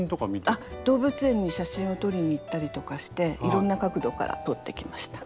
あっ動物園に写真を撮りに行ったりとかしていろんな角度から撮ってきました。